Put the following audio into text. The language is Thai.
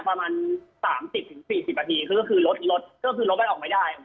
ประมาณสามสิบถึงสี่สิบนาทีก็คือรถรถก็คือรถมันออกไม่ได้